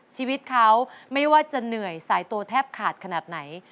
ชีวิตเขาไม่ว่าจะเหนื่อยสายตัวแทบขาดขนาดไหน